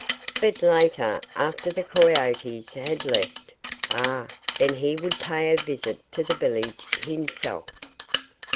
But later, after the coyotes had left ah! then he would pay a visit to the village himself.